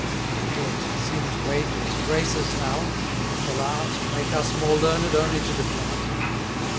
Is death, Sin's wages, Grace's now? shall Art Make us more learned, only to depart?